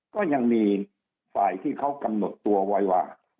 ก็ยังมีฝ่ายที่เขากำหนดตัวไว้ว่า